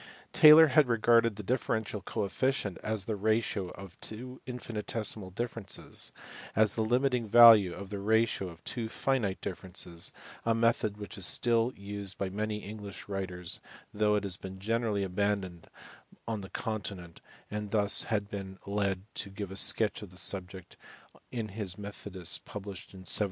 Taylor had regarded the differential coefficient, i.e. the ratio of two infinitesimal differences, as the limiting value of the ratio of two finite differences, a method which is still used by many English writers though it has been generally abandoned on the con tinent, and thus had been led to give a sketch of the subject in his Methodus published in 1715 (see below, p.